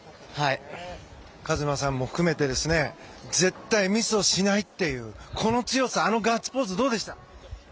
和磨さんも含めて絶対ミスをしないというこの強さ、あのガッツポーズはどうでした？